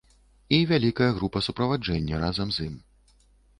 І вялікая група суправаджэння разам з ім.